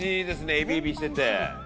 エビエビしてて。